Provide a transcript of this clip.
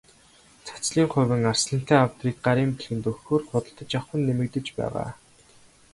Цацлын хувин, арслантай авдрыг гарын бэлгэнд өгөхөөр худалдаж авах нь нэмэгдэж байгаа.